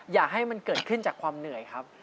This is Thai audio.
อย่าให้มันเกิดขึ้นจากความเหนื่อยครับ